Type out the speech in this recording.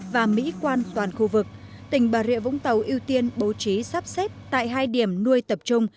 và mỹ quan toàn khu vực tỉnh bà rịa vũng tàu ưu tiên bố trí sắp xếp tại hai điểm nuôi tập trung